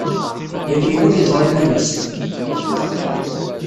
Yal yiwen yeẓra iman-is!